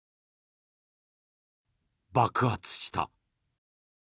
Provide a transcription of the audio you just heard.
爆発した。